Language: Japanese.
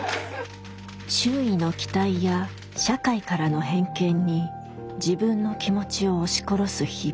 周囲の期待や社会からの偏見に自分の気持ちを押し殺す日々。